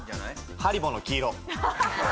ハリボーの黄色。